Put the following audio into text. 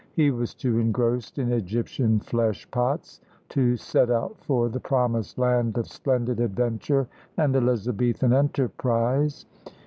He was too engrossed in Egyptian flesh pots to set out for the Promised Land of splendid adventure and Elizabethan enterprise.